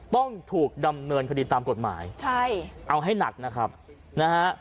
ต้องถูกดำเนินคดีตามกฎหมายใช่เอาให้หนักนะครับนะฮะ